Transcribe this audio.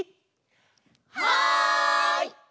はい！